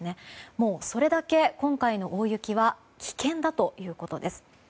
もうそれだけ、今回の大雪は危険だということです。